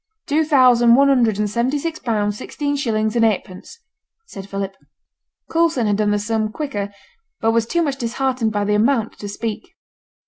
'Two thousand one hundred and seventy six pounds, sixteen shillings and eightpence,' said Philip. Coulson had done the sum quicker, but was too much disheartened by the amount to speak.